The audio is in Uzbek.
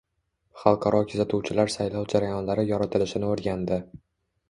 Xalqaro kuzatuvchilar saylov jarayonlari yoritilishini o‘rgandi